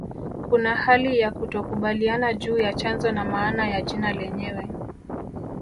Kuna hali ya kutokukubaliana juu ya chanzo na maana ya jina lenyewe